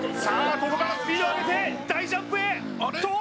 ここからスピードを上げて大ジャンプへあれっ？